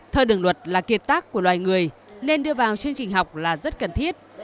theo đường luật là kiệt tác của loài người nên đưa vào chương trình học là rất cần thiết